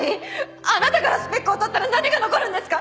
あなたからスペックを取ったら何が残るんですか？